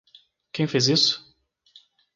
Quem fez isso?